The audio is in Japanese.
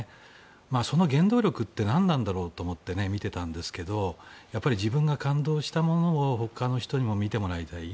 その原動力って何なんだろうと思って見ていたんですけどやっぱり自分が感動したものをほかの人にも見てもらいたい。